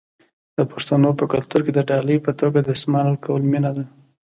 د پښتنو په کلتور کې د ډالۍ په توګه دستمال ورکول مینه ده.